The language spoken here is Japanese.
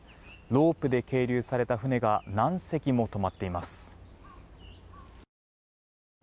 ロープで係留された船が何隻も止まっています。